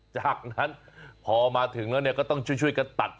จากนั้นพอมาถึงแล้วก็ต้องช่วยกันตัด